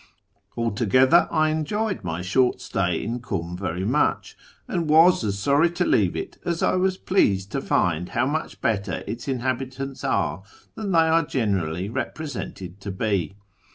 Altogether, I enjoyed my short stay in Kum very much, and was as sorry to leave it as I was pleased to find how much better its inhabitants are than they are generally represented to be.